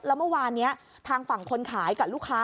แล้วเมื่อวานนี้ทางฝั่งคนขายกับลูกค้า